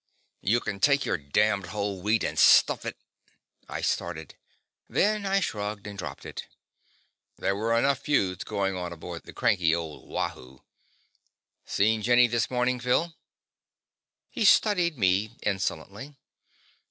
"You can take your damned whole wheat and stuff it " I started. Then I shrugged and dropped it. There were enough feuds going on aboard the cranky old Wahoo! "Seen Jenny this morning, Phil?" He studied me insolently.